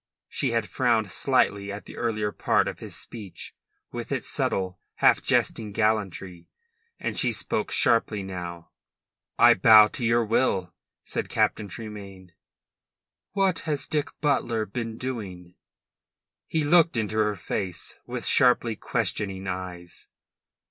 She had frowned slightly at the earlier part of his speech, with its subtle, half jesting gallantry, and she spoke sharply now. "I bow to your will," said Captain Tremayne. "What has Dick Butler been doing?" He looked into her face with sharply questioning eyes.